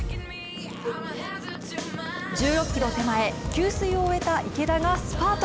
１６ｋｍ手前給水を終えた池田がスパート。